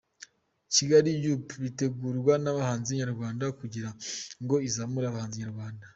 KigaliUp! itegurwa n’abahanzi Nyarwanda kugira ngo izamure abahanzi Nyarwanda.